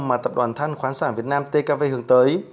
mà tập đoàn than khoáng sản việt nam tkv hướng tới